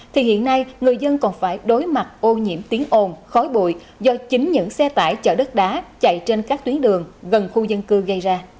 thì hiện nay người dân còn phải đối mặt ô nhiễm tiếng ồn khói bụi do chính những xe tải chở đất đá chạy trên các tuyến đường gần khu dân cư gây ra